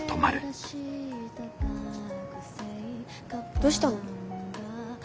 どうしたの？